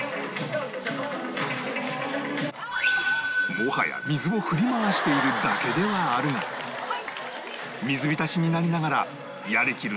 もはや水を振り回しているだけではあるが水浸しになりながらやりきる